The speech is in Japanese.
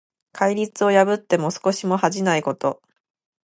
戒律を破っても少しも恥じないこと。